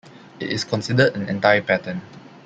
It is considered an anti-pattern.